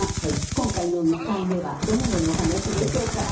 今回の２回目はどのようなお話でしょうか？